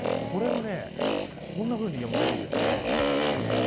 これを、こんなふうに呼んでるんです。